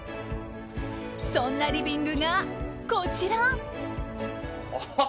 そんなリビングがこちら。